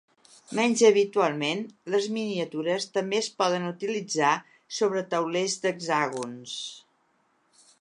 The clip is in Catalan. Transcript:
Menys habitualment, les miniatures també es poden utilitzar sobre taulers d'hexàgons.